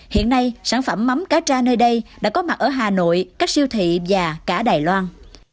hiện nay sản phẩm mắm cá tra nơi đây đã có mặt ở hà nội các siêu thị và cả đài loan